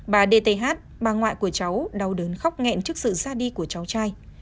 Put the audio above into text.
bà dth bà ngoại của cháu đau đớn khóc nghẹn trước sự ra đi của cháu trai